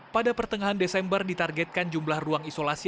pada pertengahan desember ditargetkan jumlah ruang isolasi